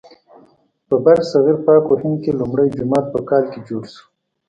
په برصغیر پاک و هند کې لومړی جومات په کال کې جوړ شو.